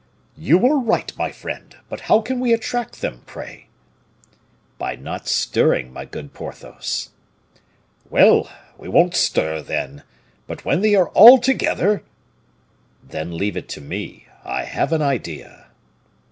"You are right, my friend, but how can we attract them, pray?" "By not stirring, my good Porthos." "Well! we won't stir, then; but when they are all together " "Then leave it to me, I have an idea."